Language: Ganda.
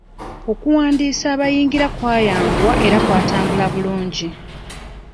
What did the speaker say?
Okuwandiisa abayingira kwayanguwa era kwatambula bulungi.